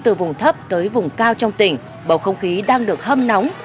muốn được biết không khí ăn mừng chiến công